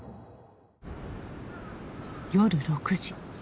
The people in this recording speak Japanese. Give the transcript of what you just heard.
夜６時。